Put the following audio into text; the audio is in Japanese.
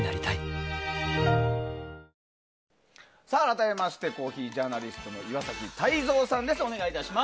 改めましてコーヒージャーナリストの岩崎泰三さんです